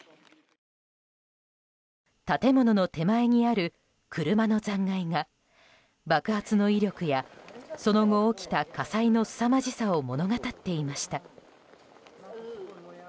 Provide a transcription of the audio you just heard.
建物の手前にある車の残骸が爆発の威力や、その後起きた火災のすさまじさを物語っていました。